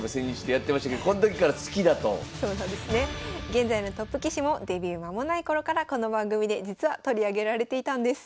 現在のトップ棋士もデビュー間もない頃からこの番組で実は取り上げられていたんです。